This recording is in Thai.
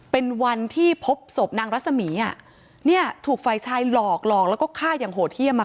เป็นวันที่พบศพนางรัศมีย์ถูกไฟชายหลอกแล้วก็ฆ่าอย่างโหเที่ยมค่ะ